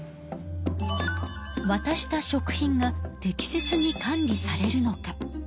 わたした食品が適切に管理されるのか？